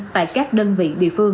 tại các đơn vị địa phương